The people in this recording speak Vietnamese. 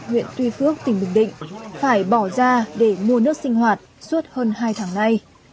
huyện tuy phước tỉnh bình định phải bỏ ra để mua nước sinh hoạt suốt hơn hai tháng nay